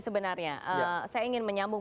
sebenarnya saya ingin menyambung